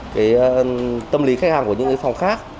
cái tâm lý khách hàng của những cái phòng khác